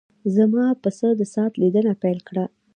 زما پسه د ساعت لیدنه پیل کړه.